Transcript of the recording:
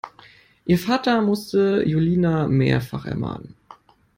Ihr Vater musste Julina mehrfach ermahnen.